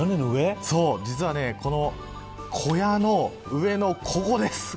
実は小屋の上のここです。